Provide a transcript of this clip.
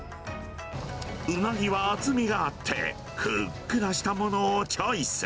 ウナギは厚みがあってふっくらしたものをチョイス。